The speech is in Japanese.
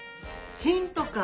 ヒントか。